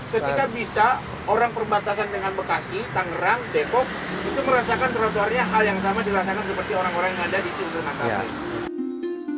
ketika bisa orang perbatasan dengan bekasi tangerang depok itu merasakan trotoarnya hal yang sama dirasakan seperti orang orang yang ada di timur nasabah ini